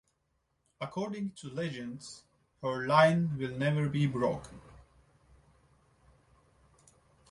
According to legend, her line will never be broken.